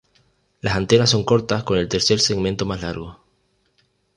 Las antenas son cortas con el tercer segmento más largo.